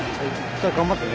さあ頑張ってね。